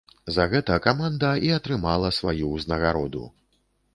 За гэта каманда і атрымала сваю ўзнагароду.